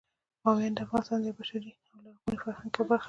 بامیان د افغانستان د بشري او لرغوني فرهنګ یوه برخه ده.